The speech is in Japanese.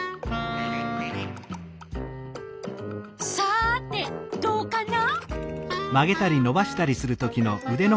さてどうかな？